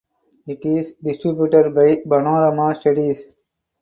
It is distributed by Panorama Studios.